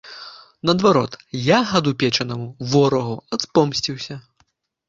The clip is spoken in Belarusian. Наадварот, я гаду печанаму, ворагу, адпомсціўся.